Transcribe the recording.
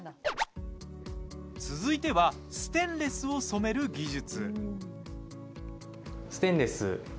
続いてはステンレスを染める技術。